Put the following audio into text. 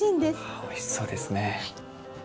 ああおいしそうですね。